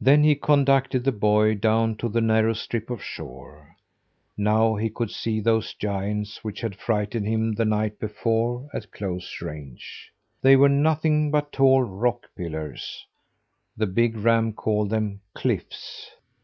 Then he conducted the boy down to the narrow strip of shore. Now he could see those giants which had frightened him the night before, at close range. They were nothing but tall rock pillars. The big ram called them "cliffs."